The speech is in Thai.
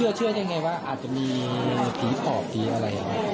แล้วเชื่อยังไงว่าอาจจะมีผีต่อปีอะไร